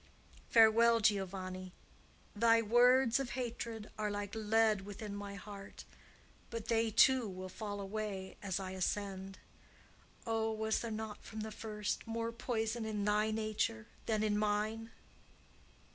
Farewell, Giovanni! Thy words of hatred are like lead within my heart; but they, too, will fall away as I ascend. Oh, was there not, from the first, more poison in thy nature than in mine?"